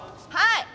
はい！